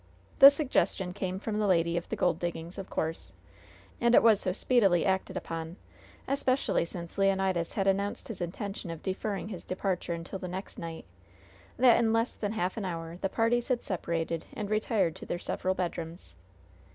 The suggestion came from the lady from the gold diggings, of course; and it was so speedily acted upon especially since Leonidas had announced his intention of deferring his departure until the next night that in less than half an hour the parties had separated and retired to their several bedrooms.